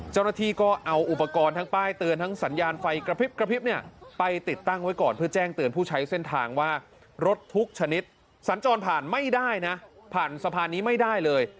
เจ้าหน้าที่ก็เอาอุปกรณ์ทั้งป้ายเตือนทั้งสัญญาณไฟกระพริบกระพริบเนี่ยไปติดตั้งไว้ก่อนเพื่อแจ้งเตือนผู้ใช้เส้นทางว่ารถทุกชนิดสัญจรผ่านไม่ได้นะผ่านสะพานนี้ไม่ได้เลย